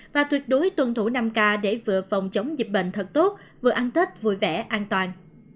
và tuyệt đối tuân thủ năm k để vừa phòng chống dịch bệnh thật tốt vừa ăn tết vui vẻ an toàn